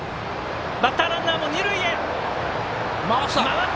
バッターランナーも二塁へ。